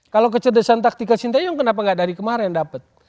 kalau kecerdasan taktikal sintayong kenapa gak dari kemarin dapat